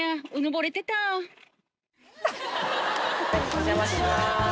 お邪魔します。